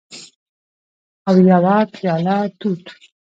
او یوه پیاله توت